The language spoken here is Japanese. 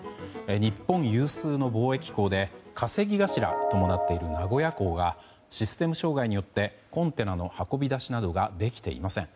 日本有数の貿易港で稼ぎ頭ともなっている名古屋港がシステム障害によってコンテナの運び出しなどができていません。